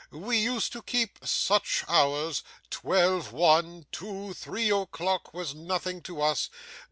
We used to keep such hours! Twelve, one, two, three o'clock was nothing to us.